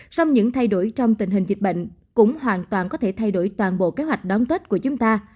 sông những thay đổi trong tình hình dịch bệnh cũng hoàn toàn có thể thay đổi toàn bộ kế hoạch đón tết của chúng ta